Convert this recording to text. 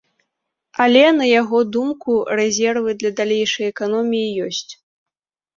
Але, на яго думку рэзервы для далейшай эканоміі ёсць.